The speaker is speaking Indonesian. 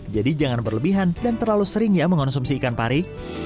jadi jangan berlebihan dan terlalu sering ya mengonsumsi ikan pari